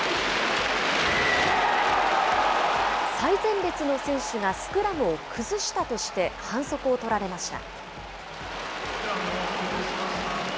最前列の選手がスクラムを崩したとして、反則を取られました。